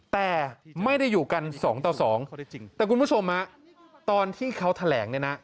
แต่ไม่ได้อยู่กันสองต่อสองแต่คุณผู้ชมฮะตอนที่เขาแถลงเนี่ยนะ